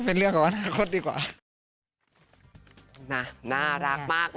เป็นเรื่องของว่าหน้าคนดีกว่า